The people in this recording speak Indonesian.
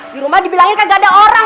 di rumah dibilangin kagak ada orang